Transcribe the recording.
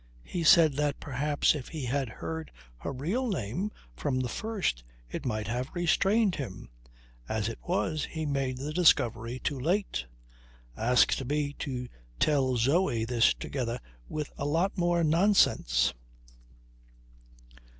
"He said that perhaps if he had heard her real name from the first it might have restrained him. As it was, he made the discovery too late. Asked me to tell Zoe this together with a lot more nonsense."